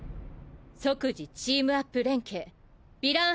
即時チームアップ連携ヴィラン